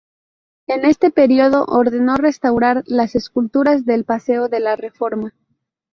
En este periodo ordenó restaurar las esculturas del Paseo de la Reforma.